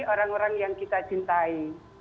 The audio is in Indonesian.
orang orang yang kita cintai